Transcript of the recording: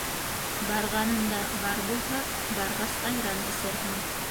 Барғанында бар булһа, барғас, айран эсерһең.